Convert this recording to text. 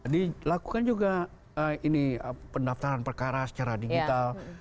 dilakukan juga ini pendaftaran perkara secara digital